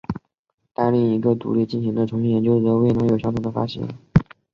但另一个独立进行的重新研究则未能有相同的发现。